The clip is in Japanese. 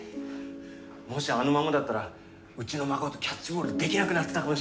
もしあのままだったらうちの孫とキャッチボールできなくなってたかもしれない。